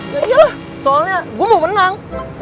ya iyalah soalnya gue mau menang